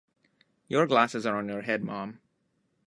Your glasses are on your head, mom.